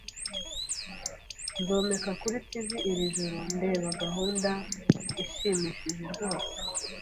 Nzomeka kuri TV iri joro ndeba gahunda ishimishije rwose.